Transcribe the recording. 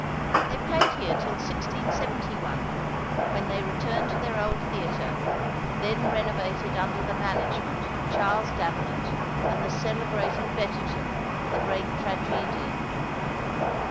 They played here till 1671, when they returned to their old theatre, then renovated under the management of Charles Davenant and the celebrated Betterton, the great tragedian.